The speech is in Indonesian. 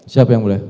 siap yang boleh